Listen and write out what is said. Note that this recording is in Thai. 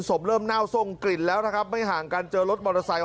ศพเริ่มเน่าทรงกลิ่นแล้วนะครับไม่ห่างกันเจอรถมอเตอร์ไซค์